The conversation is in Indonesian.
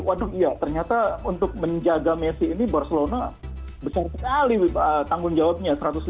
waduh iya ternyata untuk menjaga messi ini barcelona besar sekali tanggung jawabnya